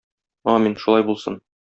Амин, шулай булсын!